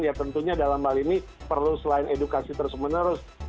ya tentunya dalam hal ini perlu selain edukasi terus menerus